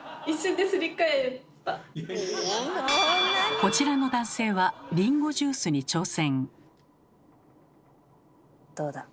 こちらの男性はりんごジュースに挑戦。